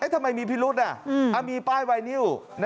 ทำไมมีพิรุษมีป้ายไวนิว